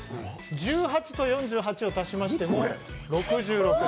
１８と４８を足しましても６６。